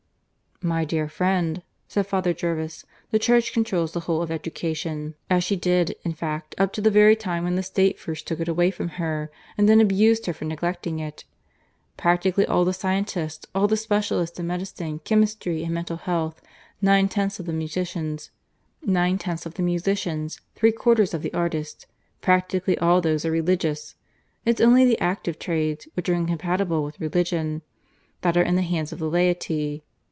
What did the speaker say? "My dear friend," said Father Jervis. "The Church controls the whole of education, as she did, in fact, up to the very time when the State first took it away from her and then abused her for neglecting it. Practically all the scientists; all the specialists in medicine, chemistry, and mental health; nine tenths of the musicians; three quarters of the artists practically all those are Religious. It's only the active trades, which are incompatible with Religion, that are in the hands of the laity.